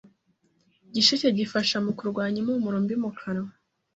Igisheke gifasha mu kurwanya impumuro mbi mu kanwa